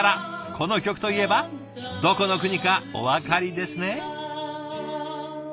この曲といえばどこの国かおわかりですね？